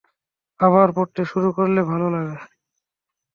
আবার পড়তে শুরু করলে ভালো লাগে।